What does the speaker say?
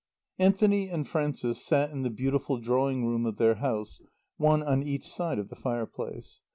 Anthony and Frances sat in the beautiful drawing room of their house, one on each side of the fireplace.